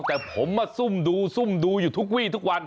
แต่ผมมาซุ่มดูซุ่มดูอยู่ทุกวี่ทุกวัน